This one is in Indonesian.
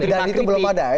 dan itu belum ada